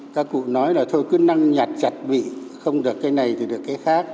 các cụ nói là thôi cứ năng nhặt chặt bị không được cái này thì được cái khác